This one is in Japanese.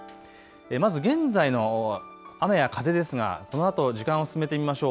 まず現在の雨や風ですが、このあと時間を進めてみましょう。